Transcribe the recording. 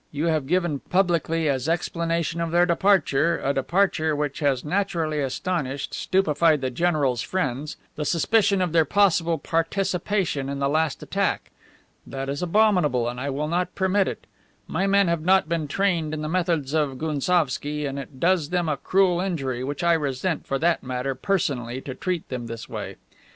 You have given publicly as explanation of their departure a departure which has naturally astonished, stupefied the general's friends the suspicion of their possible participation in the last attack. That is abominable, and I will not permit it. My men have not been trained in the methods of Gounsovski, and it does them a cruel injury, which I resent, for that matter, personally, to treat them this way.